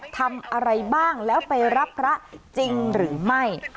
ทำอะไรบ้างแล้วไปรับพระจริงหรือไม่